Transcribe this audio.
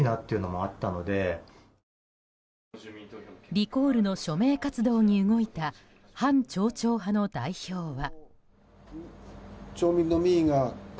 リコールの署名活動に動いた反町長派の代表は。